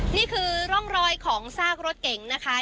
นี่คือร่องรอยของซากรถเก๋งนะคะ